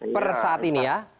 per saat ini ya